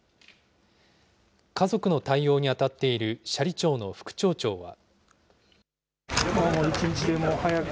家族の対応に当たっている斜里町の副町長は。